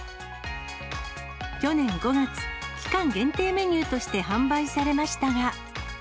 去年５月、期間限定メニューとして販売されましたが。